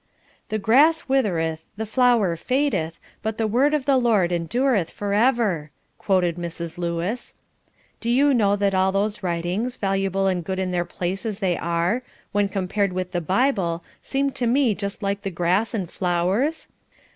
"The grass withereth, the flower fadeth, but the word of the Lord endureth for ever," quoted Mrs. Lewis. "Do you know that all those writings, valuable and good in their place as they are, when compared with the Bible seem to me just like grass and flowers?